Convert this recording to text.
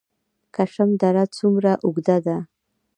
کشم دره څومره اوږده ده؟